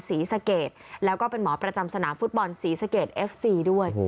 ศรีสะเกดแล้วก็เป็นหมอประจำสนามฟุตบอลศรีสะเกดเอฟซีด้วย